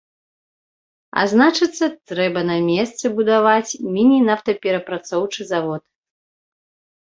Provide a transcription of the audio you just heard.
А значыцца, трэба на месцы будаваць міні-нафтаперапрацоўчы завод.